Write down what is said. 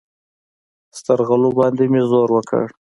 سترغلو باندې مې زور وکړ.